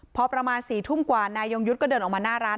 พอประมาณ๔ทุ่มกว่านายยงยุทธ์ก็เดินออกมาหน้าร้าน